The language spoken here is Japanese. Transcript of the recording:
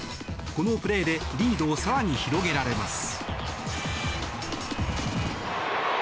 このプレーでリードを更に広げられます。